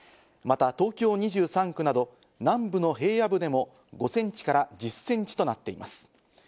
また、東京２３区など南部の平野部でも５センチから１０センチとなっています。